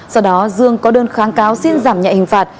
sau đó dương có đơn kháng cáo xin giảm nhạy hình phạt